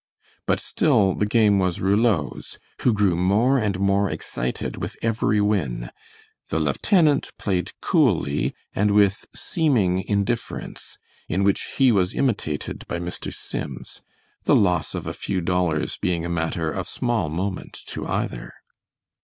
But still the game was Rouleau's, who grew more and more excited with every win. The lieutenant played coolly, and with seeming indifference, in which he was imitated by Mr. Sims, the loss of a few dollars being a matter of small moment to either.